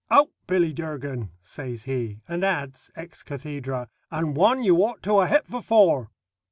"Out, Billy Durgan," says he, and adds, ex cathedrâ, "and one you ought to ha' hit for four."